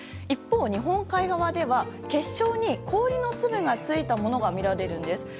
一方、日本海側では結晶に氷の粒がついたものが見られるんです。